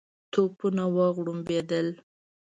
توپونه وغړمبېدل.